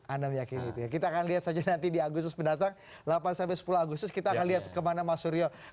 anda meyakini itu ya kita akan lihat saja nanti di agustus mendatang delapan sepuluh agustus kita akan lihat kemana mas suryo